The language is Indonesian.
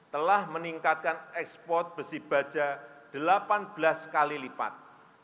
telah meningkatkan ekspor besi baja delapan belas kali lipat